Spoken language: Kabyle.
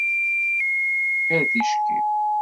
Ar ticki.